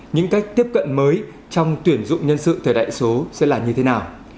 những cách tiếp cận mới trong tuyển dụng nhân sự thời đại số sẽ là như thế nào